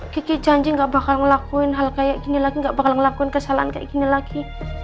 kiki janji gak bakal ngelakuin hal kayak gini lagi gak bakal ngelakuin kesalahan kayak gini lagi